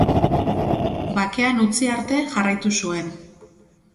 Bakean utzi arte jarraitu zuen.